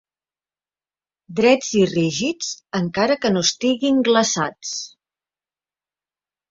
Drets i rígids, encara que no estiguin glaçats.